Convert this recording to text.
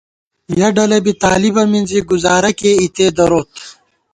یَہ ڈلہ بی طالِبہ مِنزی گزارہ کېئی اِتے دروت